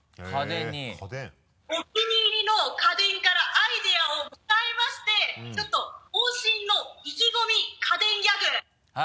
お気に入りの家電からアイデアをもらいましてちょっとこんしんの意気込み家電ギャグ。